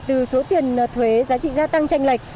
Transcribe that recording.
từ số tiền thuế giá trị gia tăng tranh lệch